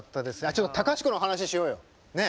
ちょっと隆子の話しようよ。ね。